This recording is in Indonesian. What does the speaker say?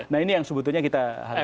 nah ini yang sebetulnya kita harus